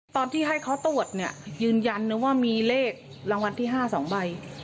ตอนที่ให้เขาตรวจเนี่ยยืนยันนะว่ามีเลขรางวัลที่๕๒ใบ